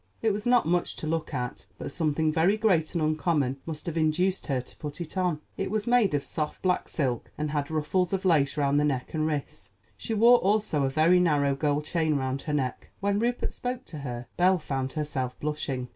It was not much to look at; but something very great and uncommon must have induced her to put it on. It was made of soft black silk, and had ruffles of lace round the neck and wrists. She wore also a very narrow gold chain round her neck. When Rupert spoke to her, Belle found herself blushing.